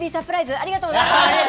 ありがとうございます。